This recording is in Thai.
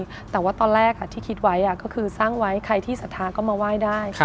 แต่ว่าตอนแรกที่คิดไว้ก็คือสร้างไว้ใครที่สัทธาก็มาไหว้ได้